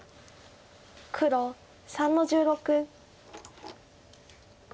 黒３の十六。